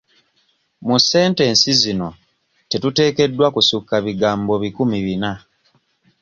Mu sentensi zino tetuteekeddwa kusukka bigambo bikumi bina.